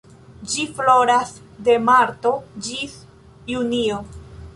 Ĝi floras de marto ĝis junio.